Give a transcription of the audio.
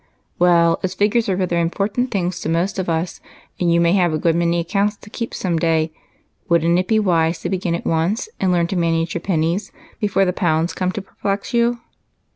"Well, as figures are rather important things to most of us, and you may have a good many accounts to keep some day, would n't it be wise to begin at once and learn to manage your pennies before the pounds come to perplex you